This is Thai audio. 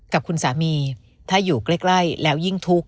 กับคุณสามีถ้าอยู่ใกล้แล้วยิ่งทุกข์